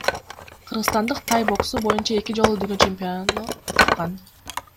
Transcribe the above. Кыргызстандык тай боксу боюнча эки жолу дүйнө чемпиону атыккан.